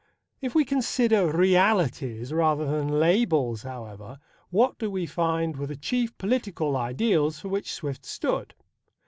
If we consider realities rather than labels, however, what do we find were the chief political ideals for which Swift stood?